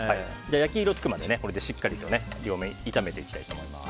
焼き色つくまでしっかり両面炒めていきたいと思います。